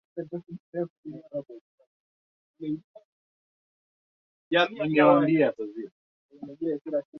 Mpaka wa mashariki ni mto Oder dhidi ya Uholanzi na vilele